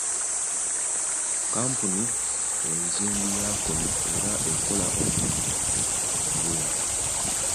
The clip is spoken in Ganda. Kkampuni enzimbi ya kuno era ekola omulimu omulungi.